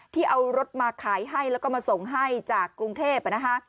ที่เอารถมาขายให้แล้วก็มาส่งให้จากกรุงเทพนะคะ